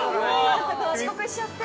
◆遅刻しちゃって。